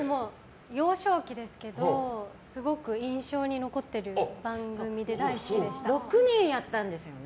幼少期ですけどすごく印象に残ってる番組で６年やったんですよね。